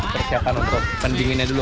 persiapan untuk pendinginnya dulu